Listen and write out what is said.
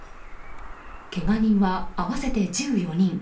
けが人は、合わせて１４人。